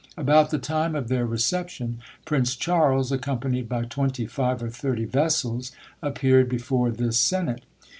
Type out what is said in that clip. About the time of their reception, Prince Charles, accompanied by twenty five or thirty vessels, appeared before this senate.